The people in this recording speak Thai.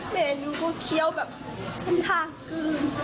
แม่หนูก็เคี้ยวแบบทำทางกลืน